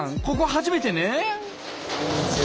ここ初めてね。